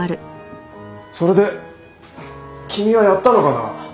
それで君はやったのかな？